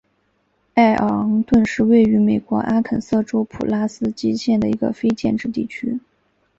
艾昂顿是位于美国阿肯色州普拉斯基县的一个非建制地区。